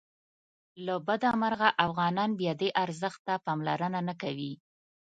له بده مرغه افغانان بیا دې ارزښت ته پاملرنه نه کوي.